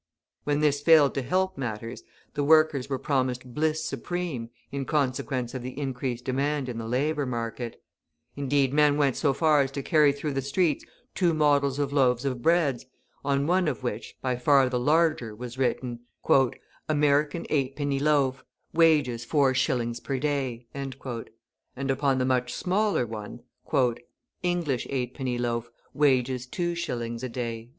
When this failed to help matters, the workers were promised bliss supreme in consequence of the increased demand in the labour market; indeed, men went so far as to carry through the streets two models of loaves of bread, on one of which, by far the larger, was written: "American Eightpenny Loaf, Wages Four Shillings per Day," and upon the much smaller one: "English Eightpenny Loaf, Wages Two Shillings a Day."